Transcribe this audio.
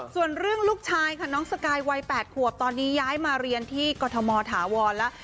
ส่วนเรื่องลูกชายค่ะน้องสกายวัย๘ขวบตอนนี้ย้ายมาเรียนที่กรทมถาวรแล้ว